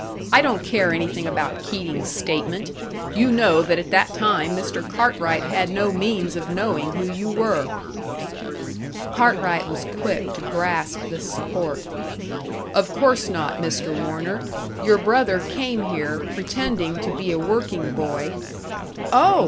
"I don't care anything about Keating's statement. You know that at that time Mr. Cartwright had no means of knowing who you were." Cartwright was quick to grasp this support. "Of course not, Mr. Warner! Your brother came here, pretending to be a working boy " "Oh!"